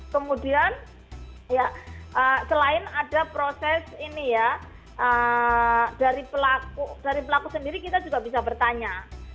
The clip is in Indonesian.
kemudian ya selain ada proses ini ya dari pelaku sendiri kita juga bisa bertanya